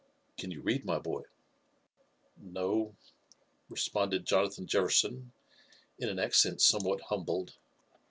*• Can you read, my boy?" *' No," — ^req^onded Jonathan Jefferson in an accent somewhat humbled.